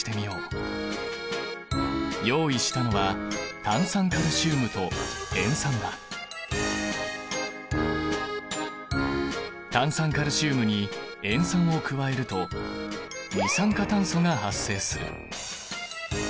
用意したのは炭酸カルシウムに塩酸を加えると二酸化炭素が発生する。